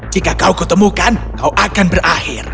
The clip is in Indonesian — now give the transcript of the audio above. jika kau kutemukan kau akan berakhir